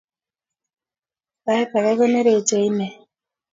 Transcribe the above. Sait age konerechi ine